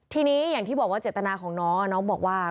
ทีนี้อย่างที่บอกว่าเจตนาของน้องน้องบอกว่า